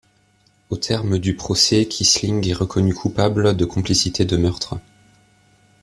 Au terme du procès, Quisling est reconnu coupable de complicité de meurtre.